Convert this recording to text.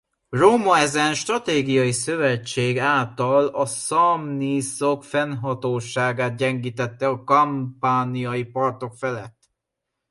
Róma ezen stratégiai szövetség által a szamniszok fennhatóságát gyengítette a campaniai partok felett.